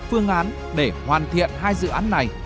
phương án để hoàn thiện hai dự án này